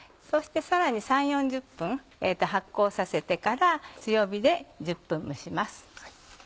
そしてさらに３０４０分発酵させてから強火で１０分蒸します。